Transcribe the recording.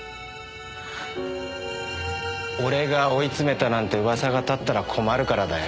俺が追い詰めたなんて噂が立ったら困るからだよ。